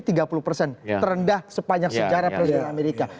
terendah sepanjang sejarah presiden amerika